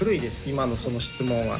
今のその質問は。